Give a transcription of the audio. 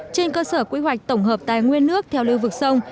trên cơ sở quy hoạch tổng hợp tài nguyên nước theo lưu vực sông